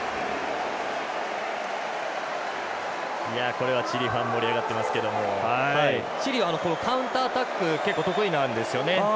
これはチリファン盛り上がっていますけどチリはカウンタータックル得意なんですよね。